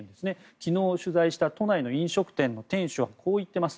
昨日取材した都内の飲食店の店主はこう言っています。